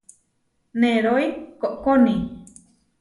Nerói koʼkóni.